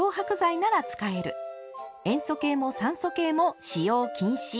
「塩素系も酸素系も使用禁止」。